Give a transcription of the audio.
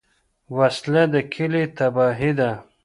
وسله د کلي تباهي ده